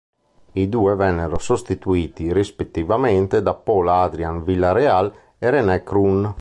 I due vennero sostituiti rispettivamente da Paul Adrian Villarreal e René Kroon.